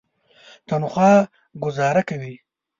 تنخوا ګوزاره کوي.